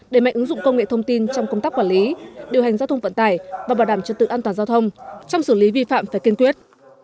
để mạnh ứng dụng công nghệ thông tin trong công tác quản lý điều hành giao thông vận tải và bảo đảm trật tự an toàn giao thông trong xử lý vi phạm phải kiên quyết